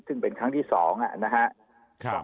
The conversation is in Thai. ซึ่งเป็นครั้งที่สอง